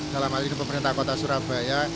dalam hal ini pemerintah kota surabaya